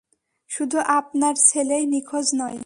শুধু আপনার ছেলেই নিখোঁজ নয়।